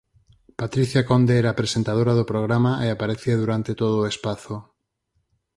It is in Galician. Patricia Conde era a presentadora do programa e aparecía durante todo o espazo.